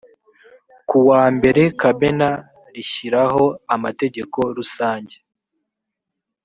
kuwa mbere kamena rishyiraho amategeko rusange